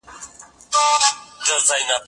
ته ولي ليکلي پاڼي ترتيب کوې!.